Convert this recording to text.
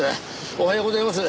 おはようございます。